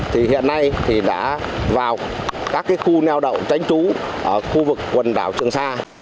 thì hiện nay thì đã vào các khu neo đậu tránh trú ở khu vực quần đảo trường sa